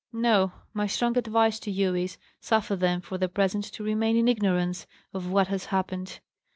No: my strong advice to you is: Suffer them for the present to remain in ignorance of what has happened."